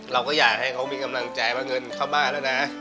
เราก็อยากให้เขามีกำลังใจว่าเงินเข้าบ้านแล้วนะ